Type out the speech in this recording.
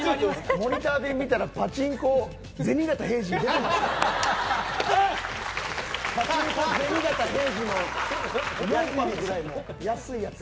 モニターで見たらパチンコ「銭形平次」のやつみたいな。